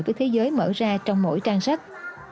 với thế giới mở ra trong mỗi trang sách